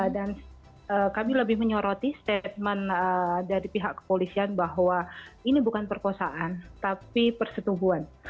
dan kami lebih menyoroti statement dari pihak kepolisian bahwa ini bukan perkosaan tapi perstubuhan